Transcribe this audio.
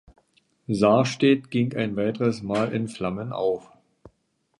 Sarstedt ging ein weiteres Mal in Flammen auf.